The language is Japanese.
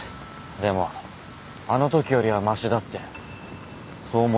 でもあのときよりはましだってそう思いたい